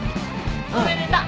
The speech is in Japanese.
おめでとう。